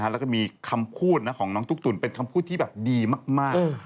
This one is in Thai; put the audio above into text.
แล้วก็มีคำพูดของน้องตุ๊กตุ๋นเป็นคำพูดที่แบบดีมาก